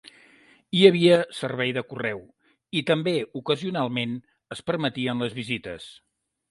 Hi havia servei de correu i, també ocasionalment, es permetien les visites.